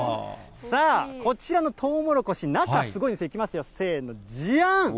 さあ、こちらのトウモロコシ、中、すごいんですよ。いきますよ、せーの、じゃん。